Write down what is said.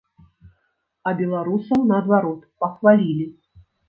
А беларусаў, наадварот, пахвалілі.